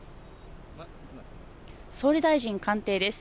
総理大臣官邸です。